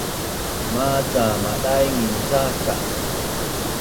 Maca madaingin cak ka